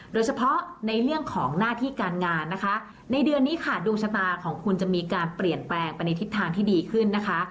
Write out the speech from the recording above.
โดยเฉพาะในเรื่องของหน้าที่การงานนะคะในเดือนนี้ค่ะดวงชะตาของคุณจะมีการเปลี่ยนแปลงไปในทิศทางที่ดีขึ้นนะคะ